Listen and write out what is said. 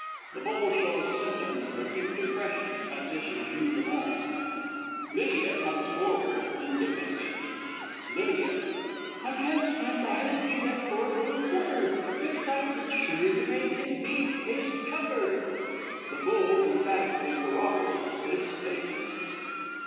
[The Bull shows symptoms of acute depression at this jeu de mots; LYDIA comes forward indignantly. Lydia. I can't stand by and see that poor bull suffer! Excitement's sure to make his beef taste tougher! [_The Bull emphatically corroborates this statement.